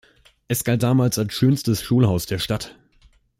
Es galt damals als schönstes Schulhaus der Stadt.